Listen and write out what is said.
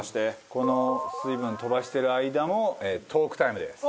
この水分飛ばしてる間もトークタイムです。